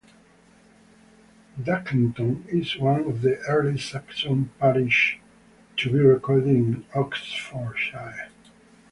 Ducklington is one of the earliest Saxon parishes to be recorded in Oxfordshire.